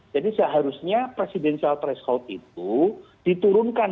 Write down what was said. jadi seharusnya presidensial threshold itu diturunkan